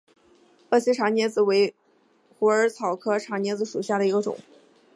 鄂西茶藨子为虎耳草科茶藨子属下的一个种。